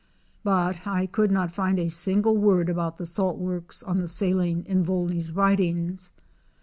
But I could not find a single word about the salt works on the Saline in Volney's writings.